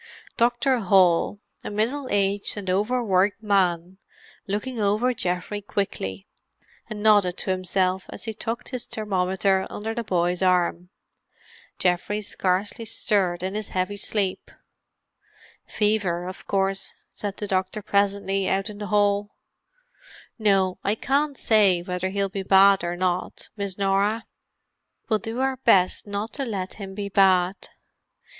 Dr. Hall, a middle aged and over worked man, looked over Geoffrey quickly, and nodded to himself, as he tucked his thermometer under the boy's arm. Geoffrey scarcely stirred in his heavy sleep. "Fever of course," said the doctor presently, out in the hall. "No, I can't say yet whether he'll be bad or not, Miss Norah. We'll do our best not to let him be bad.